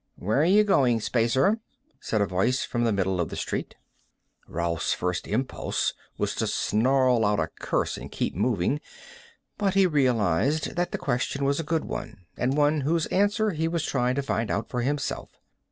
"Where are you going, Spacer?" said a voice from the middle of the street. Rolf's first impulse was to snarl out a curse and keep moving, but he realized that the question was a good one and one whose answer he was trying to find out for himself.